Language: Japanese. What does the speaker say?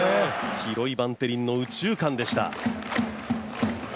広いバンテリンの右中間でした。